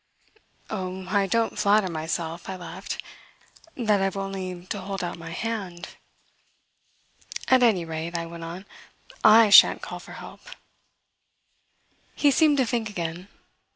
"Oh, I don't flatter myself," I laughed, "that I've only to hold out my hand! At any rate," I went on, "I sha'n't call for help." He seemed to think again.